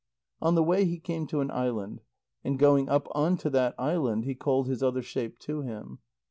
On the way he came to an island. And going up on to that island, he called his other shape to him.